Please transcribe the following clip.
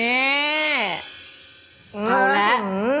เอาแล้ว